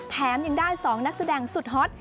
แถมยังได้๒นักแสดงสุดฮอต